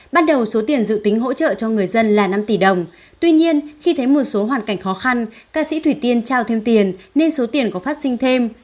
ban đầu số tiền dự tính hỗ trợ cho người dân là năm tỷ đồng tuy nhiên khi thấy một số hoàn cảnh khó khăn ca sĩ thủy tiên trao thêm tiền nên số tiền có phát sinh thêm